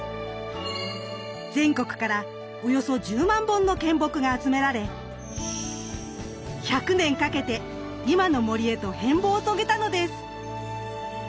全国からおよそ１０万本の献木が集められ１００年かけて今の森へと変貌を遂げたのです。